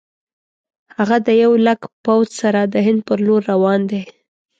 هغه د یو لک پوځ سره د هند پر لور روان دی.